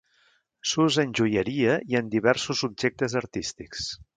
S'usa en joieria i en diversos objectes artístics.